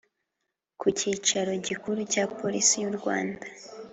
ku kicaro gikuru cya Polisi y’u Rwanda